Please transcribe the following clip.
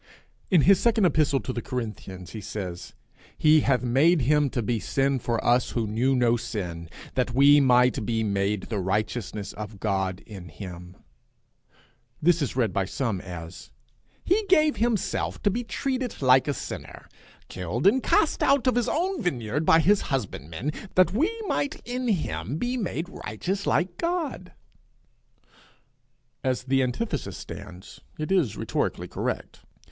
In his second epistle to the Corinthians he says, 'He hath made him to be sin for us who knew no sin, that we might be made the righteousness of God in him;' 'He gave him to be treated like a sinner, killed and cast out of his own vineyard by his husbandmen, that we might in him be made righteous like God.' As the antithesis stands it is rhetorically correct.